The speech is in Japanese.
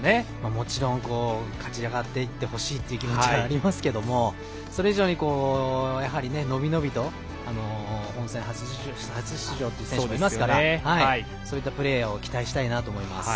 もちろん勝ち上がってほしいという気持ちがありますけれどもそれ以上に伸び伸びと本戦初出場という選手もいますからそういったプレーを期待したいなと思います。